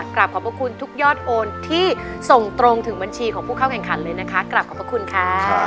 ขอบพระคุณทุกยอดโอนที่ส่งตรงถึงบัญชีของผู้เข้าแข่งขันเลยนะคะกลับขอบพระคุณค่ะ